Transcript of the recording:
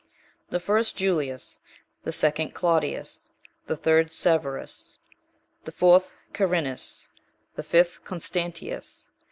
The first Julius. The second Claudius. The third Severus. The fourth Carinus. The fifth Constantius.